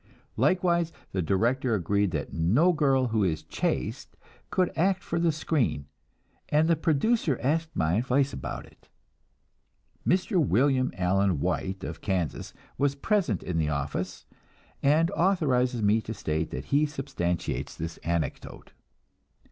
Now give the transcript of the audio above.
Likewise, the director agreed that no girl who is chaste could act for the screen, and the producer asked my advice about it. Mr. William Allen White, of Kansas, was present in the office, and authorizes me to state that he substantiates this anecdote.